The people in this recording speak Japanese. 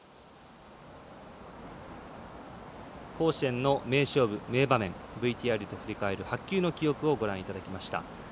甲子園の名勝負、名場面ＶＴＲで振り返る白球の記憶をご覧いただきました。